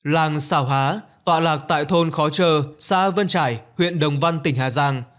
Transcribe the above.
làng sảo há tọa lạc tại thôn khó trơ xa vân trải huyện đồng văn tỉnh hà giang